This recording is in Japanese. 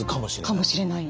かもしれない。